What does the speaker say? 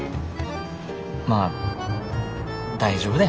まあ大丈夫だよ。